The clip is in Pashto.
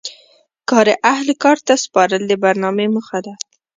کار اهل کار ته سپارل د برنامې موخه دي.